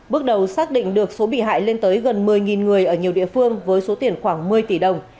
bước đầu xác định được số bị hại lên tới gần một mươi người ở nhiều địa phương với số tiền khoảng một mươi tỷ đồng